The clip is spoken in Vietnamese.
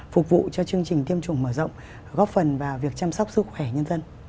phục vụ cho chương trình tiêm chủng mở rộng góp phần vào việc chăm sóc sức khỏe nhân dân